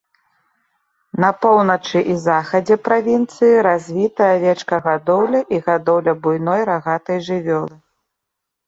На поўначы і захадзе правінцыі развіта авечкагадоўля і гадоўля буйной рагатай жывёлы.